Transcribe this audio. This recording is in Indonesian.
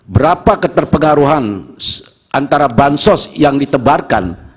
berapa keterpengaruhan antara bansos yang ditebarkan